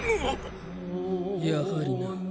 やはりな。